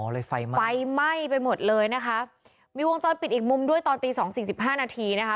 อ๋อเลยไฟไปไฟหมายไปหมดเลยนะคะมีวงจรปิดอีกมุมด้วยตอนตี๒๔๕นาทีนะค่ะ